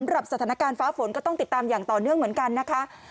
สถานการณ์ฟ้าฝนก็ต้องติดตามอย่างต่อเนื่องเหมือนกันนะคะ